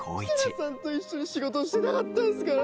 設楽さんと一緒に仕事してたかったんすから。